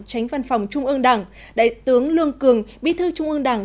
tránh văn phòng trung ương đảng đại tướng lương cường bí thư trung ương đảng